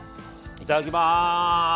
いただきます！